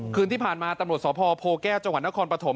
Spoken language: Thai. คืนที่ผ่านมาตำรวจสพโพแก้วจังหวัดนครปฐม